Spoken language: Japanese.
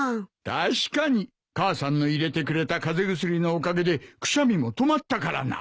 確かに母さんの入れてくれた風邪薬のおかげでくしゃみも止まったからな。